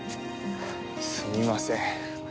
すみません。